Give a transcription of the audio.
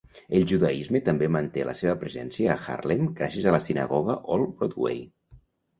El judaisme també manté la seva presència a Harlem gràcies a la Sinagoga Old Broadway.